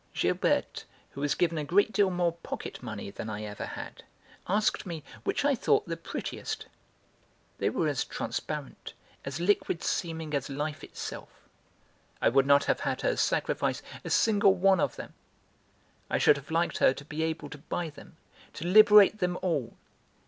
Gilberte, who was given a great deal more pocket money than I ever had, asked me which I thought the prettiest. They were as transparent, as liquid seeming as life itself. I would not have had her sacrifice a single one of them. I should have liked her to be able to buy them, to liberate them all.